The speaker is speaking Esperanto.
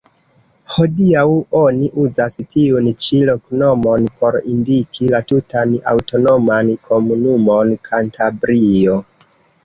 Hodiaŭ oni uzas tiun ĉi loknomon por indiki la tutan aŭtonoman komunumon Kantabrio.